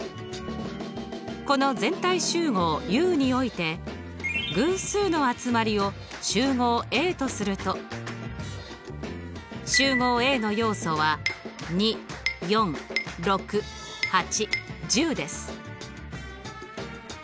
この全体集合Ｕにおいて偶数の集まりを集合Ａとすると集合Ａの要素は２４６８１０です。